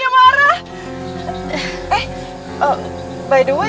kalau misalnya tadi hari mau jadi jadian